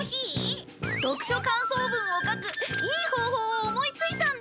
読書感想文を書くいい方法を思いついたんだ。